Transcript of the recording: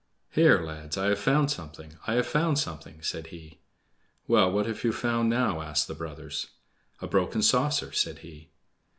"Here lads, I have found something! I have found something!" said he. "Well, what have you found now?" asked the brothers. "A broken saucer," said he.